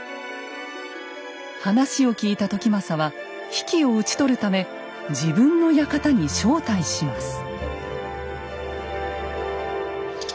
話を聞いた時政は比企を討ち取るため自分の館に招待します。